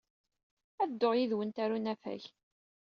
Ad dduɣ yid-went ɣer unafag.